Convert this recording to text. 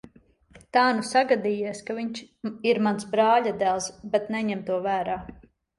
Tā nu sagadījies, ka viņš ir mans brāļadēls, bet neņem to vērā.